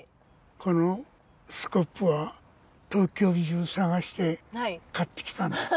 このスコップは東京中探して買ってきたんです。